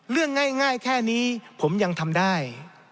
เรื่องง่ายแค่นี้ผมยังทำได้